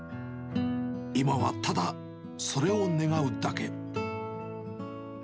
今はただ、それを願うだけ。